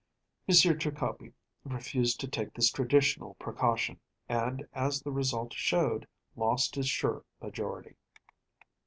M. Trikoupi refused to take this traditional precaution, and, as the result showed, lost his sure majority.